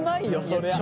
そりゃあ。